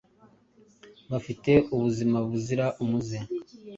bafite ubuzima buzira umuze.